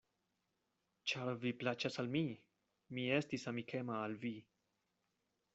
Ĉar vi plaĉas al mi; mi estis amikema al vi.